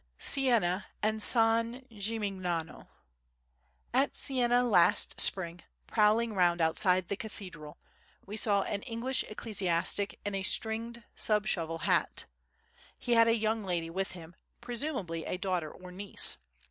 Siena and S. Gimignano At Siena last spring, prowling round outside the cathedral, we saw an English ecclesiastic in a stringed, sub shovel hat. He had a young lady with him, presumably a daughter or niece.